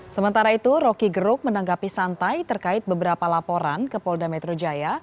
sementara itu roky gerung menanggapi santai terkait beberapa laporan ke polda metro jaya